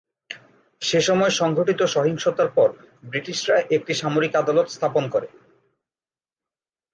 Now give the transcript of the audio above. সেসময় সংঘটিত সহিংসতার পর ব্রিটিশরা একটি সামরিক আদালত স্থাপন করে।